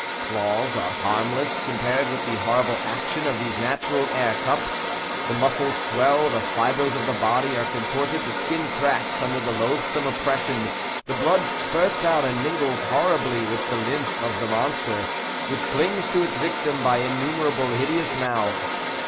Claws are harmless compared with the horrible action of these natural air cups. The muscles swell, the fibres of the body are contorted, the skin cracks under the loathsome oppression, the blood spurts out and mingles horribly with the lymph of the monster, which clings to its victim by innumerable hideous mouths.